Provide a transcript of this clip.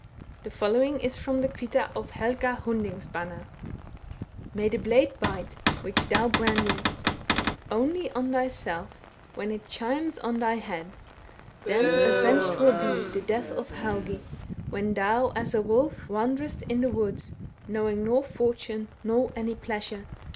The following is from the second Kvi^a of Helga Hundingsbana (stroph. 31) :— May the blade bite, Which thou brandishcst Only on thyself, when it Chimes on thy head. Then avenged will be The death of Helgi, When thou, as a wolf, t Wanderest in the woods. Knowing nor fortune Nor any pleasure.